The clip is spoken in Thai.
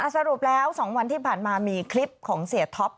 สรุปแล้ว๒วันที่ผ่านมามีคลิปของเสียท็อป